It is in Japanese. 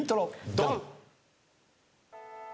ドン！